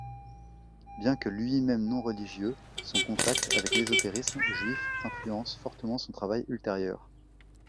Bien que lui-même non-religieux, son contact avec l'ésotérisme juif influence fortement son travail ultérieur.